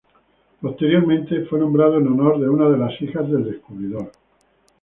Posteriormente, fue nombrado en honor de una de las hijas del descubridor.